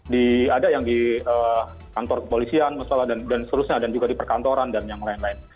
di ada yang di kantor kepolisian dan seterusnya dan juga di perkantoran dan yang lain lain